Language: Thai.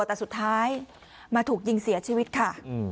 แต่สุดท้ายมาถูกยิงเสียชีวิตค่ะ